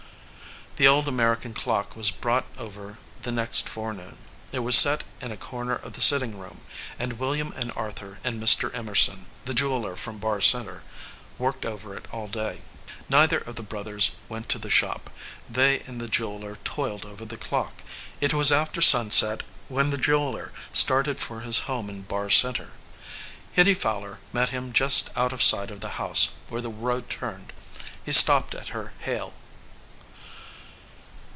The old American clock was brought over the next forenoon. It was set in a corner of the sit ting room, and William and Arthur, and Mr. Em erson, the jeweler from Barr Center, worked over it all day. Neither of the brothers went to the shop. They and the jeweler toiled over the clock. It was after sunset when the jeweler started for his home in Barr Center. Hitty Fowler met him just out of sight of the house, where the road turned. He stopped at her hail.